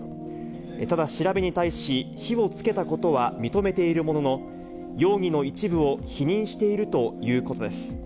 ただ、調べに対し火をつけたことは認めているものの、容疑の一部を否認しているということです。